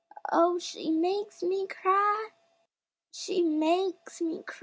Oh, she makes me cry She makes me cry!